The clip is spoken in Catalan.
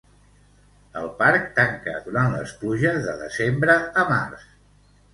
El parc tanca durant les pluges de desembre a març.